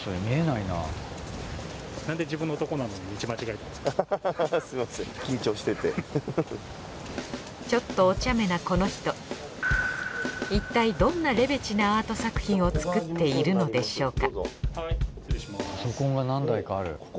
いったいどんなレベチなア−ト作品を作っているのでしょうか？